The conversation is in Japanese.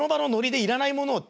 要らないもの。